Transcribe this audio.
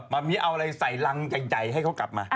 มันมีเอาอะไรใส่รังใหญ่ให้เขากลับมา